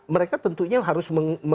mereka tentunya harus